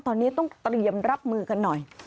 ตอนนี้ต้องเตรียมรับมือกันหน่อย